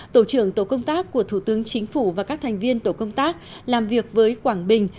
tổ trưởng tổ công tác của thủ tướng chính phủ và các thành viên tổ công tác làm việc với quảng bình